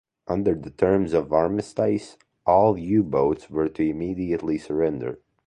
Under the terms of armistice, all U-boats were to immediately surrender.